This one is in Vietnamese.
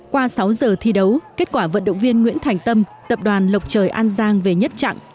qua sáu giờ thi đấu kết quả vận động viên nguyễn thành tâm tập đoàn lộc trời an giang về nhất trạng